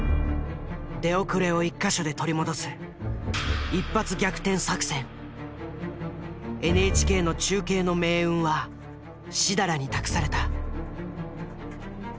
出遅れを１か所で取り戻すＮＨＫの中継の命運は設楽に託された。